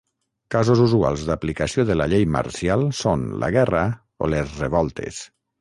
Casos usuals d'aplicació de la llei marcial són la guerra o les revoltes.